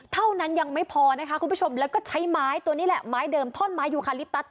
เท่านั้นยังไม่พอนะคะคุณผู้ชมแล้วก็ใช้ไม้ตัวนี้แหละไม้เดิมท่อนไม้ยูคาลิปตัส